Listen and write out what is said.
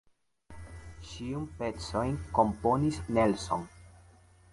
Ĉiun pecojn komponis Nelson.